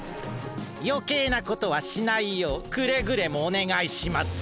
よけいなことはしないようくれぐれもおねがいしますよ。